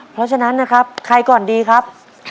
เพราะฉะนั้นนะครับใครก่อนดีครับ